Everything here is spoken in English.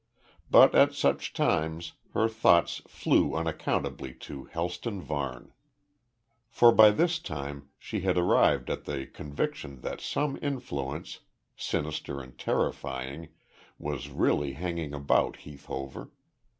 But at such times her thoughts flew unaccountably to Helston Varne. For by this time she had arrived at the conviction that some influence, sinister and terrifying, was really hanging about Heath Hover.